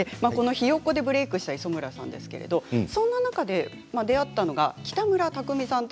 「ひよっこ」でブレークした磯村さんですがそんな中で出会ったのが北村匠海さん。